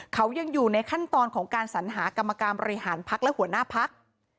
เขายังอยู่ในขั้นตอนของการสัญหากรรมการบริหารพักและหัวหน้าพัก